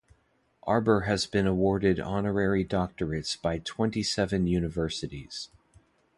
Arbour has been awarded honorary doctorates by twenty-seven universities.